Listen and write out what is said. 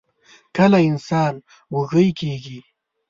کله انسان وږۍ کيږي؟